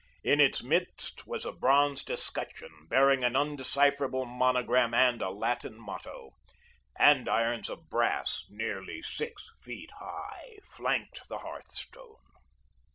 In its midst was a bronze escutcheon, bearing an undecipherable monogram and a Latin motto. Andirons of brass, nearly six feet high, flanked the hearthstone.